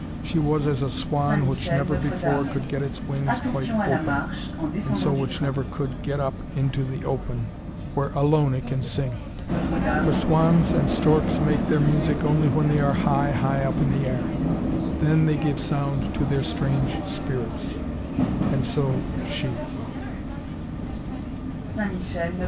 She was as a swan which never before could get its wings quite open, and so which never could get up into the open, where alone it can sing. For swans, and storks make their music only when they are high, high up in the air. Then they can give sound to their strange spirits. And so, she.